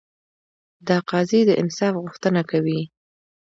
دا قاضي د انصاف غوښتنه کوي.